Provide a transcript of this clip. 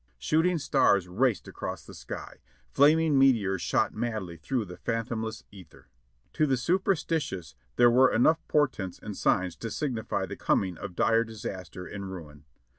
Shooting stars raced across the sky; flaming meteors shot madly through the fathomless ether. To the superstitious there were enough portents and signs to signify the coming of dire disaster and ruin.